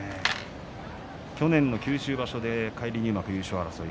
去年の九州場所で返り入幕優勝争い